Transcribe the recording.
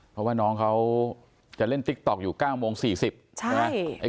เพราะว่าน้องเขาจะเล่นติ๊กต๊อกอยู่๙โมง๔๐ใช่ไหม